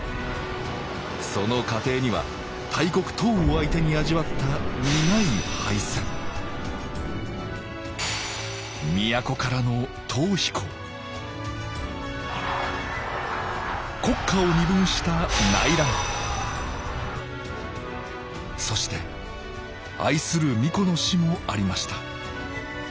その過程には大国唐を相手に味わった苦い敗戦都からの逃避行国家を二分した内乱そして愛する皇子の死もありました